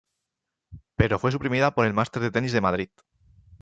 Pero fue suprimida por el Masters de tenis de Madrid.